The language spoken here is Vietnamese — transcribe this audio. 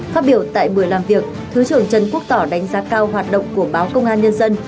phát biểu tại buổi làm việc thứ trưởng trần quốc tỏ đánh giá cao hoạt động của báo công an nhân dân